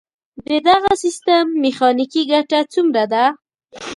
د دغه سیستم میخانیکي ګټه څومره ده؟